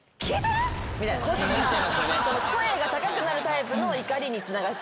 こっちが声が高くなるタイプの怒りにつながっちゃう。